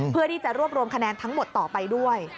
เพื่อที่จะรวบรวมคะแนนทั้งหมดต่อไปด้วย